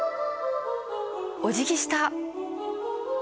おじぎした！